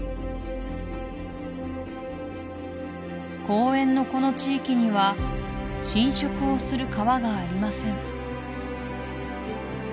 公園のこの地域には浸食をする川がありません